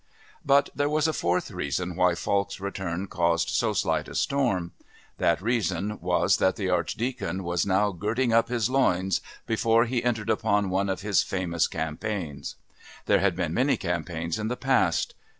But there was a fourth reason why Falk's return caused so slight a storm. That reason was that the Archdeacon was now girding up his loins before he entered upon one of his famous campaigns. There had been many campaigns in the past.